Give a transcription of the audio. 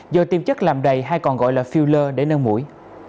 do tiêm chất làm đầy hay còn gọi là filler để nâng mũi